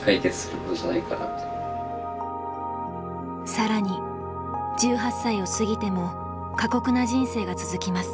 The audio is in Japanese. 更に１８歳を過ぎても過酷な人生が続きます。